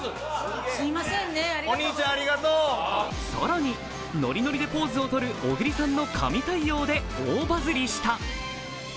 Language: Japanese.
さらにノリノリでポーズをとる小栗さんの神対応で大バズリした。